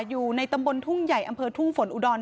อยู่ในตำบลทุ่งใหญ่อำเภอทุ่งฝนอุดร